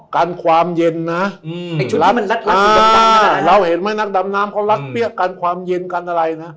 กันความเย็นนะเราเห็นไหมนักดำน้ำเขารักเปรี้ยกกันความเย็นกันอะไรนะ